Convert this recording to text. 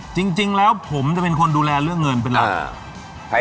จริงแล้วผมจะเป็นคนดูแลเรื่องเงินไปแล้ว